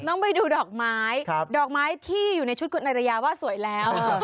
ต้องไปดูดอกไม้ดอกไม้ที่อยู่ในชุดคุณนายรยาว่าสวยแล้ว